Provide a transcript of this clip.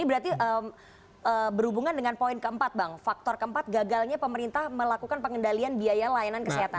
berarti berhubungan dengan poin keempat bang faktor keempat gagalnya pemerintah melakukan pengendalian biaya layanan kesehatan